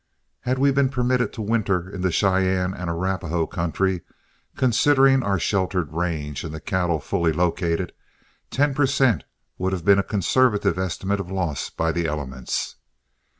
Had we been permitted to winter in the Cheyenne and Arapahoe country, considering our sheltered range and the cattle fully located, ten per cent would have been a conservative estimate of loss by the elements.